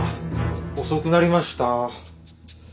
遅くなりました。